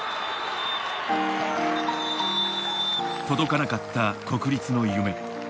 届かなかった国立の夢。